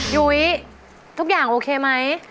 ยุ้ยทุกอย่างโอเคไหม